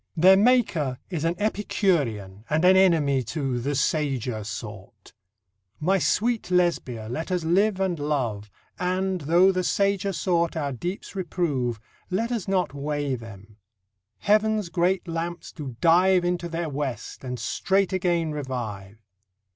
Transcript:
Their maker is an Epicurean and an enemy to "the sager sort": My sweetest Lesbia, let us live and love, And, though the sager sort our deeps reprove, Let us not weigh them. Heav'n's great lamps do dive Into their west, and straight again revive.